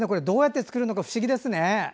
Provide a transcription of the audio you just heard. どうやって作るのか不思議ですね。